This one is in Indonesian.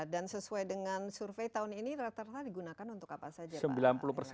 dan sesuai dengan survei tahun ini rata rata digunakan untuk apa saja pak